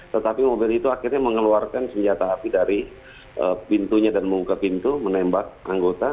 tetapi mobil itu akhirnya mengeluarkan senjata api dari pintunya dan membuka pintu menembak anggota